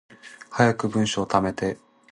早く文章溜めて